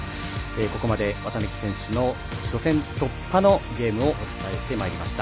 ここまで綿貫選手の初戦突破のゲームをお伝えしてまいりました。